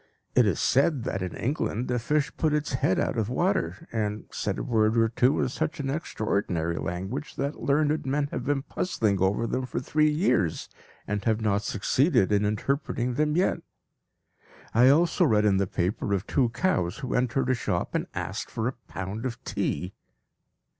It is said that in England a fish put its head out of water and said a word or two in such an extraordinary language that learned men have been puzzling over them for three years, and have not succeeded in interpreting them yet. I also read in the paper of two cows who entered a shop and asked for a pound of tea.